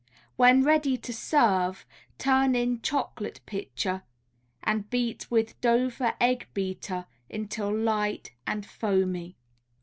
When ready to serve turn in chocolate pitcher and beat with Dover egg beater until light and foamy.